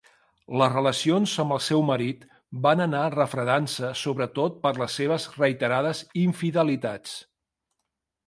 Les relacions amb el seu marit van anar refredant-se sobretot per les seves reiterades infidelitats.